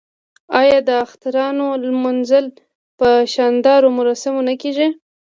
آیا د اخترونو لمانځل په شاندارو مراسمو نه کیږي؟